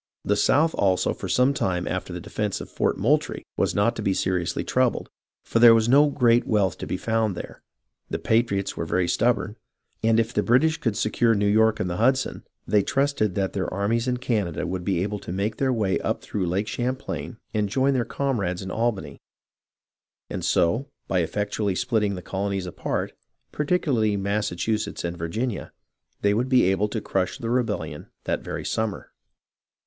The South also for some time after the defence of Fort Moultrie was not to be seriously troubled, for there was no great wealth to be found there ; the patriots were very stubborn, and if the British could secure New York and the Hudson, they trusted that their armies in Canada THE STRUGGLE ON LONG ISLAND IO3 would be able to make their way up through Lake Champlain and join their comrades in Albany, and so, by effectually splitting the colonies apart, particularly Massachusetts and Virginia, they would be able to crush the rebellion that very summer.